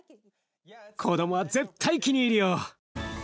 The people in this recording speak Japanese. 子どもは絶対気に入るよ！